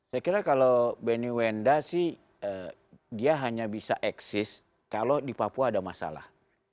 saya kira kalau benny wenda sih dia hanya bisa eksis kalau di papua ada masalah